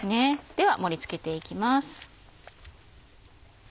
では盛り付けていきます。